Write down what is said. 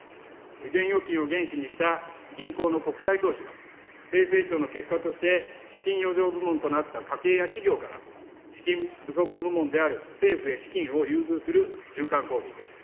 現預金を原資にした銀行の国際投資は低成長の結果として、資金余剰部門となった家計や企業から資金不足部門である政府へ資金を融通する循環構造です。